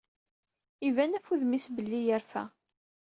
Iban ɣef wudem-is belli yerfa.